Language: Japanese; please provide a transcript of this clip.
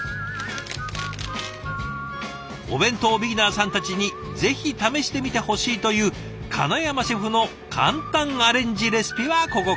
お弁当ビギナーさんたちにぜひ試してみてほしいという金山シェフの簡単アレンジレシピはここから。